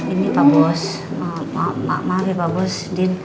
ini pak bos maaf pak bos